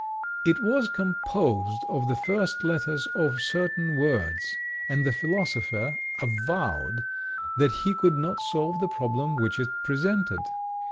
It was composed of the first letters of certain words, and the philosopher avowed that he could not solve the problem which it presented.